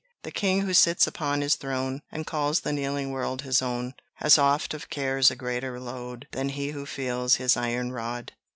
The king who sits upon his throne, And calls the kneeling world his own, Has oft of cares a greater load Than he who feels his iron rod.